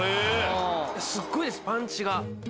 すっごいですパンチが。